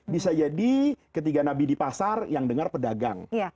bisa jadi ketiga nabi di pasar yang dengar pedagang